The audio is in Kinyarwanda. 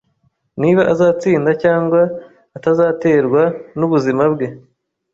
Niba azatsinda cyangwa atazaterwa nubuzima bwe